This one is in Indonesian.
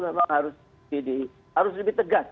memang harus lebih tegas